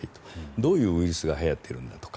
どういうウイルスがはやっているんだとか